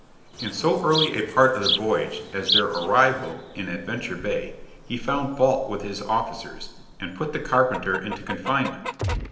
In so early a part of the voyage as their arrival in Adventure Bay, he found fault with his officers, and put the carpenter into confinement.